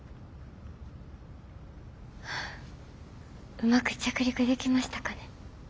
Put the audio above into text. うまく着陸できましたかね？